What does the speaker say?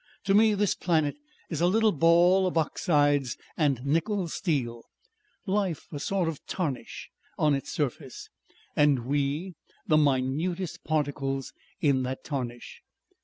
To me this planet is a little ball of oxides and nickel steel; life a sort of tarnish on its surface. And we, the minutest particles in that tarnish.